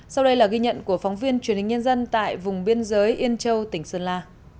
sau đây là ghi nhận của phóng viên truyền hình nhân dân tại vùng biên giới yên châu tỉnh sơn la